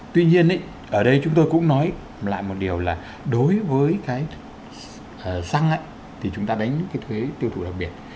tuy nhiên ở đây chúng tôi cũng nói lại một điều là đối với cái xăng thì chúng ta đánh cái thuế tiêu thụ đặc biệt